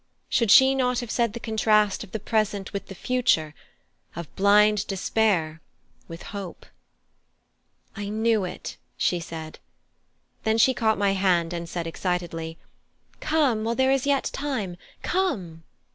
Should she not have said the contrast of the present with the future: of blind despair with hope?" "I knew it," she said. Then she caught my hand and said excitedly, "Come, while there is yet time! Come!"